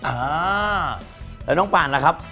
อ่าแล้วน้องปานล่ะครับ